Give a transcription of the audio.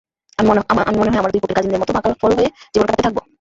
আমি মনে হয় আমার দুইপক্ষের কাজিনদের মতো মাকাল ফল হয়ে জীবন কাটাতে থাকব।